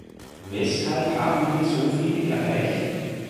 Weshalb haben wir so viel erreicht?